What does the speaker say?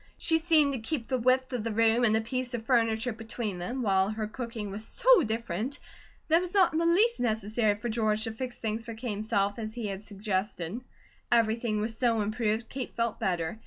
She seemed to keep the width of the room and a piece of furniture between them, while her cooking was so different that it was not in the least necessary for George to fix things for Kate himself, as he had suggested. Everything was so improved, Kate felt better.